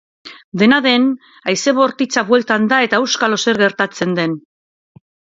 Dena den, haize bortzitza bueltan da eta auskalo zer gertatzen den.